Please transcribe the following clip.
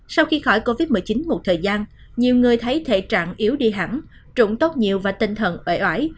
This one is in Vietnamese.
sau khi khỏi covid một mươi chín một thời gian nhiều người thấy thể trạng yếu đi hẳn trụng tốc nhiều và tinh thần ẩy ẩy